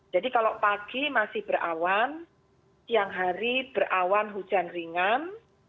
jadi kalau pagi masih berawan siang hari berawan hujan ringan